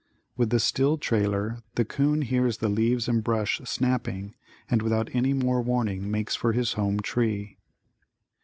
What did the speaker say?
With the still trailer, the 'coon hears the leaves and brush snapping and without any more warning makes for his home tree.